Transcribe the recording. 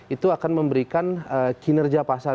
itu akan memberikan kinerja pasar